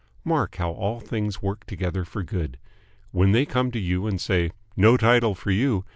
Mark how all things work together for good. When they come to you and say "No title for you.